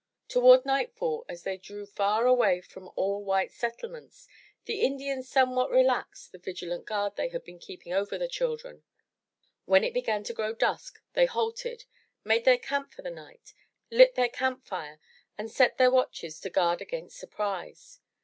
Toward nightfall as they drew far away from all white settlements, the Indians somewhat relaxed the vigilant guard they had been keeping over the children. When it began to grow dusk, they halted, made 367 MY BOOK HOUSE their camp for the night, lit their camp fire, and set their watches to guard against surprise.